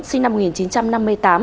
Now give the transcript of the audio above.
sinh năm một nghìn chín trăm chín mươi